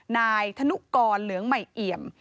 นายธนุกรเหลืองใหม่เอี่ยม